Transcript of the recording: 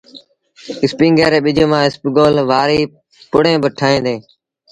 اسپيٚنگر ري ٻج مآݩ اسپگول وآريٚݩ پُڙيٚن با ٺوهيݩ ديٚݩ۔